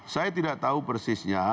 saya tidak tahu persisnya